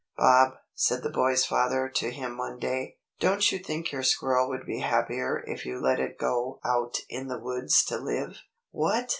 "Bob," said the boy's father to him one day, "don't you think your squirrel would be happier if you let it go out in the woods to live?" "What!